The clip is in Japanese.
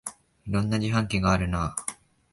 いろんな自販機があるなあ